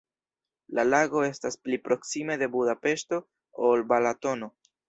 La lago estas pli proksime de Budapeŝto, ol Balatono.